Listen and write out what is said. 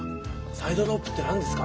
サイドロープって何ですか。